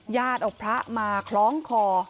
ญาติเอาพระมาคล้องคอ